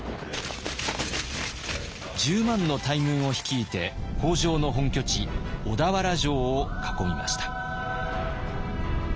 １０万の大軍を率いて北条の本拠地小田原城を囲みました。